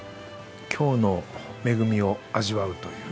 京の恵みを味わうという。